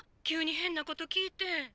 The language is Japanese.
急に変なこと聞いて。